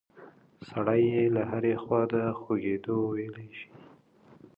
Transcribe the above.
سړی یې له هرې خوا د خوږېدو ویلی شي.